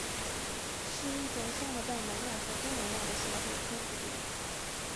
是一种生活在南亚和东南亚的蛱蝶科蝴蝶。